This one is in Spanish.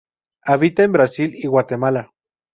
Habita en Brasil y Guatemala.